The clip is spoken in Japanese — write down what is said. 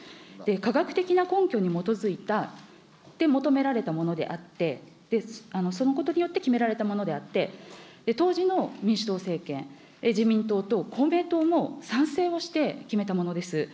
科学的な根拠に基づいた、で、求められたものであって、そのことによって、決められたものであって、当時の民主党政権、自民党と公明党の賛成をして決めたものです。